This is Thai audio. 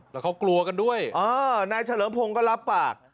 แต่เขากลวกันด้วยอ้อนายเฉลิมพงก็ลับปาก